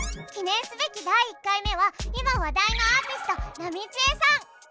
記念すべき第１回目は今話題のアーティストなみちえさん。